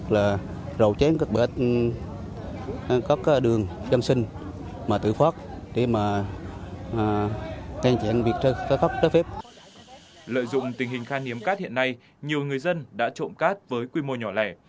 lợi dụng tình hình khan hiếm cát hiện nay nhiều người dân đã trộm cát với quy mô nhỏ lẻ